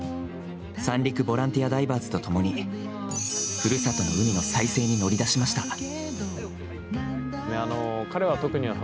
三陸ボランティアダイバーズとともにふるさとの海の再生に乗り出しました。